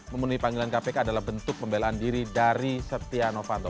memenuhi panggilan kpk adalah bentuk pembelaan diri dari setia novanto